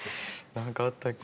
何かあったっけ？